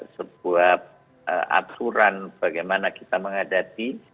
sebuah aturan bagaimana kita menghadapi